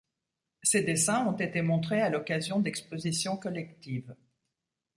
Ses dessins ont été montrés à l'occasion d'expositions collectives.